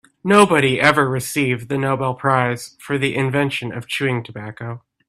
Nobody ever received the Nobel prize for the invention of chewing tobacco.